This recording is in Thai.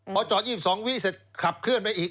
พอจอด๒๒วิเสร็จขับเคลื่อนไปอีก